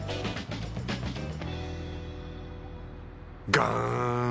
ガーン！